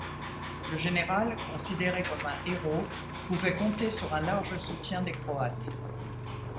Le général considéré comme un héros, pouvait compter sur un large soutien des croates.